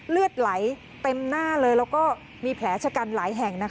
เลือดไหลเต็มหน้าเลยแล้วก็มีแผลชะกันหลายแห่ง